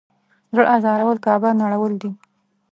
زړه ازارول کعبه نړول دی.